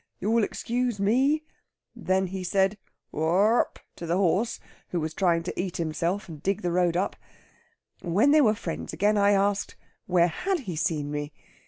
You'll excuse me?' Then he said, 'War r r p,' to the horse, who was trying to eat himself and dig the road up. When they were friends again, I asked, Where had he seen me?